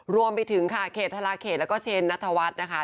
รวมไปถึงค่ะเขตทลาเขตแล้วก็เชนนัทวัฒน์นะคะ